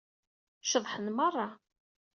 Ceḍḥen meṛṛa.